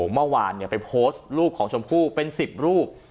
เมื่อวานไปโพสต์รูปของชมพู่เป็น๑๐รูป